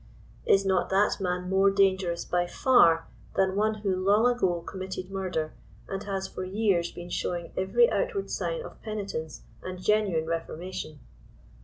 Is not that man more dangerous by far, than one who long ago committed murder, and has for years been showing every outward sign of penitence and genuine reformation?